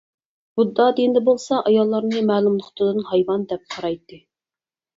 بۇددا دىنىدا بولسا ئاياللارنى مەلۇم نۇقتىدىن ھايۋان دەپ قارايتتى.